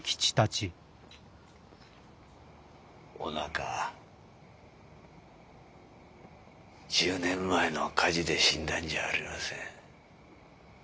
おなかは１０年前の火事で死んだんじゃありません。